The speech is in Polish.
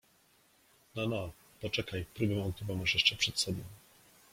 — No, no, poczekaj, próbę ogniową masz jeszcze przed sobą.